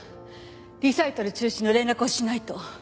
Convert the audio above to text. リサイタル中止の連絡をしないと。